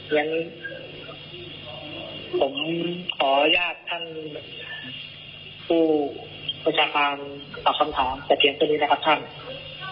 อย่างนี้ผมขออนุญาตท่านผู้ประชาบาลฝากคำถาม